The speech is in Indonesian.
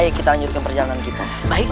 ayo kita lanjutkan perjalanan kita